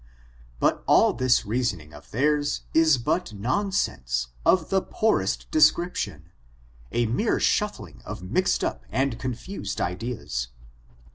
But all this reasoning of theirs is but nonsense, of the poorest description — a mere shuffling of mixed up and confused ideas.